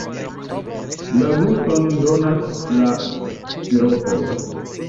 La guston donas la siropo.